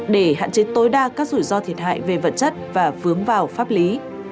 để hạn chế tối đa các rủi ro thiệt hại về vật chất và vướng vào pháp lý